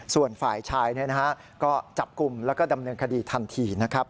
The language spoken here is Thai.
ส่วนฝ่ายชายก็จับกลุ่มแล้วก็ดำเนินคดีทันทีนะครับ